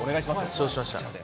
承知しました。